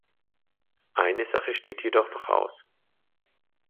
Eine Sache steht jedoch noch aus.